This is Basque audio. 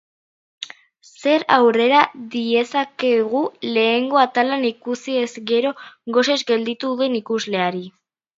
Zer aurrera diezaiokegu lehenengo atala ikusi eta gero gosez gelditu den ikusleari?